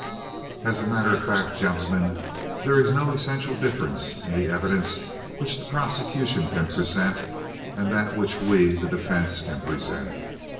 "As a matter of fact, gentlemen, there is no essential difference in the evidence which the prosecution can present and that which we, the defense, can present.